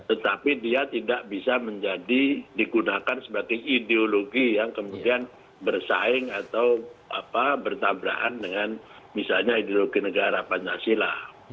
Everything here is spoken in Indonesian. tetapi dia tidak bisa menjadi digunakan sebagai ideologi yang kemudian bersaing atau bertabrakan dengan misalnya ideologi negara pancasila